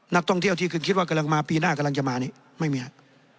นักท่องเที่ยวที่ขึ้นคิดว่ากำลังมาปีหน้ากำลังจะมานี่ไม่มีครับ